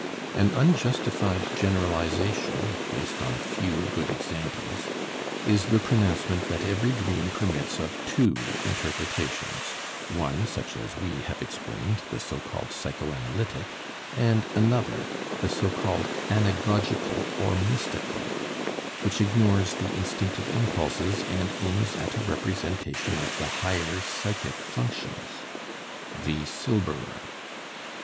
An unjustified generalization, based on few good examples, is the pronouncement that every dream permits of two interpretations, one such as we have explained, the so called psychoanalytic, and another, the so called anagogical or mystical, which ignores the instinctive impulses and aims at a representation of the higher psychic functions (V. Silberer).